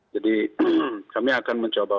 jadi kami akan mencoba